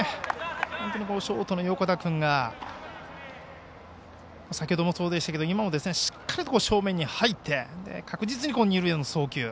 本当にショートの横田君が先ほどもそうでしたけど今もしっかり正面に入って確実に二塁への送球。